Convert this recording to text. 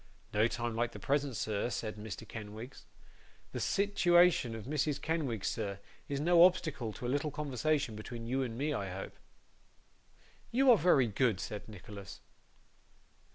'No time like the present, sir,' said Mr. Kenwigs. 'The sitiwation of Mrs Kenwigs, sir, is no obstacle to a little conversation between you and me, I hope?' 'You are very good,' said Nicholas.